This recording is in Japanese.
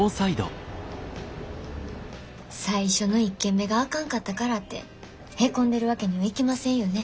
最初の１件目があかんかったからってヘコんでるわけにはいきませんよね。